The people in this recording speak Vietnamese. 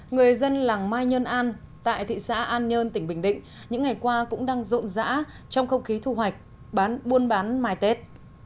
người dân làng mai nhơn an tại thị xã an nhơn tỉnh bình định những ngày qua cũng đang rộn rã trong không khí thu hoạch bán buôn bán mai tết